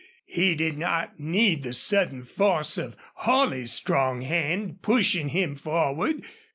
He did not need the sudden force of Holley's strong hand, pushing him forward.